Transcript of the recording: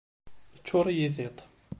Iččuṛ-iyi tiṭ.